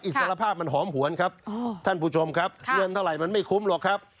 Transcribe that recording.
สรภาพมันหอมหวนครับท่านผู้ชมครับเงินเท่าไหร่มันไม่คุ้มหรอกครับ